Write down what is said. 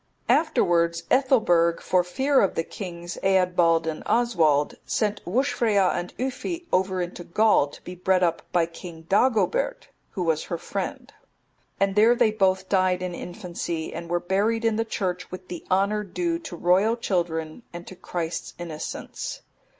(275) Afterwards Ethelberg, for fear of the kings Eadbald and Oswald,(276) sent Wuscfrea and Yffi over into Gaul to be bred up by King Dagobert,(277) who was her friend; and there they both died in infancy, and were buried in the church with the honour due to royal children and to Christ's innocents.